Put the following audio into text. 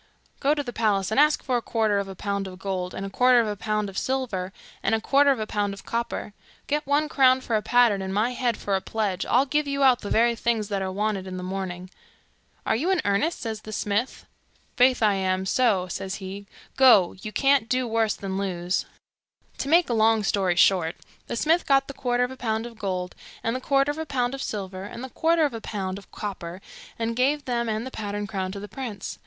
'Go to the palace and ask for a quarter of a pound of gold, a quarter of a pound of silver, and a quarter of a pound of copper. Get one crown for a pattern, and my head for a pledge, I'll give you out the very things that are wanted in the morning.' 'Are you in earnest?' says the smith. 'Faith, I am so,' says he. 'Go! you can't do worse than lose.' To make a long story short, the smith got the quarter of a pound of gold, and the quarter of a pound of silver, and the quarter of a pound of copper, and gave them and the pattern crown to the prince.